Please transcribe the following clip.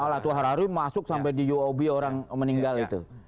latuah harari masuk sampai di uob orang meninggal itu